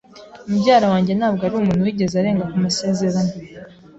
Mubyara wanjye ntabwo arumuntu wigeze arenga ku masezerano.